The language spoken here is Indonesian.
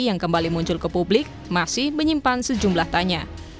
yang kembali muncul ke publik masih menyimpan sejumlah tanya